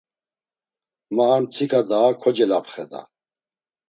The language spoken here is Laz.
Ma ar mtsika daa kocelapxeda.